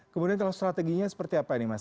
kemudian kalau strateginya seperti apa ini mas